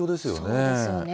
そうですよね。